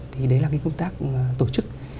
thì đấy là công tác tổ chức